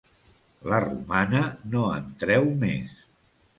La romana no en treu més.